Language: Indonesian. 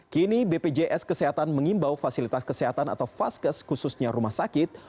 kini bpjs kesehatan mengimbau fasilitas kesehatan atau vaskes khususnya rumah sakit